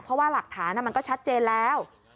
เพราะว่าหลักฐานมันก็ชัดเจนแล้ว